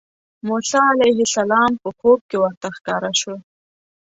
موسی علیه السلام په خوب کې ورته ښکاره شو.